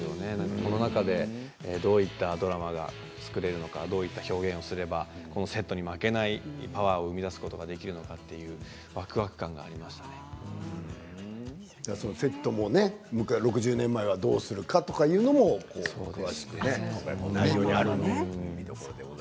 その中でどういうドラマを、作ることができるのかどういう表現をすればセットに負けないパワーを生み出すことができるのかというセットも６０年前はどうするかというのも詳しくね。